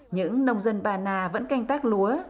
những nông dân ba na vẫn canh tác lúa